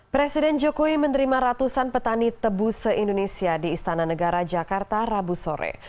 presiden jokowi menerima ratusan petani tebu se indonesia di istana negara jakarta rabu sore